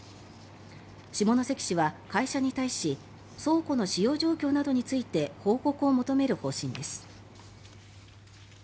下関市は会社に対し倉庫の使用状況などについて報告を求める方針です。